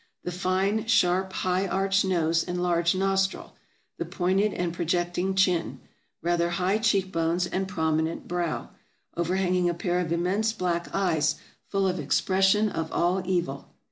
The fine, sharp, high arched nose and large nostril; the pointed and projecting chin; rather high cheek bones and prominent brow, overhanging a pair of immense black eyes full of expression of all evil.